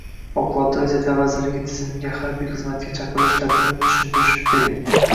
Favqulodda vaziyatlar vazirligi tizimiga harbiy xizmatga chaqirilish tartibi tushuntirish bering?